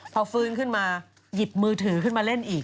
พอฟื้นขึ้นมาหยิบมือถือขึ้นมาเล่นอีก